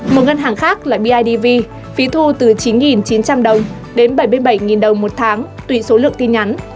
một ngân hàng khác là bidv phí thu từ chín chín trăm linh đồng đến bảy mươi bảy đồng một tháng tùy số lượng tin nhắn